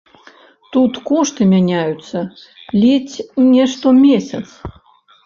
Тут кошты мяняюцца ледзь не штомесяц.